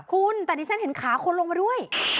คุณแต่ดิฉันเห็นขาคนลงมาด้วย